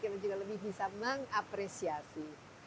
kita juga lebih bisa mengapresiasi